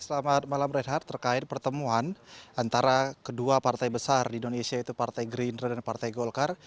pertama kali saya berbicara tentang pertemuan antara kedua partai besar di indonesia yaitu partai gerindra dan partai golkar